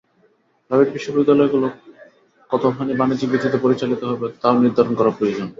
Private বিশ্ববিদ্যালয়গুলো কতখানি বাণিজ্যিক ভিত্তিতে পরিচালিত হবে, তাও নির্ধারণ করা প্রয়োজন।